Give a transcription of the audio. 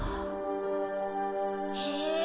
へえ。